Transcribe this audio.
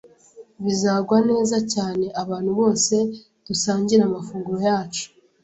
bizagwa neza cyane abantu bose dusangira amafunguro yacu.